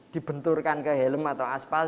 dibenturkan ke helm atau aspal